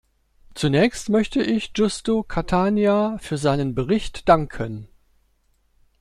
Zunächst möchte ich Giusto Catania für seinen Bericht danken.